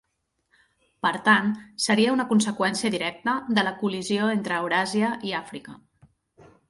Per tant, seria una conseqüència directa de la col·lisió entre Euràsia i Àfrica.